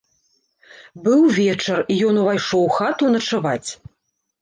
Быў вечар, і ён увайшоў у хату начаваць.